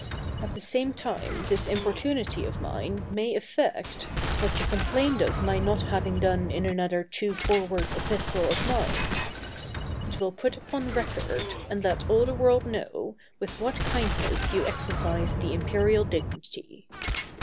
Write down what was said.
At the same time this importunity of mine may effect, what you complained of my not having done in another too forward epistle of mine; it will put upon record, and let all the world know, with what kindness you exercise the imperial dignity.